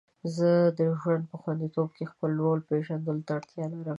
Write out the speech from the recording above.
زه د ژوند په خوندیتوب کې د خپل رول پیژندلو ته اړتیا لرم.